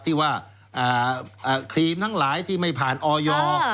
ที่ว่าครีมทั้งหลายที่ไม่ผ่านออย